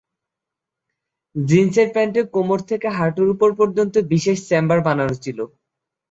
জিনসের প্যান্টে কোমর থেকে হাঁটুর ওপর পর্যন্ত বিশেষ চেম্বার বানানো ছিল।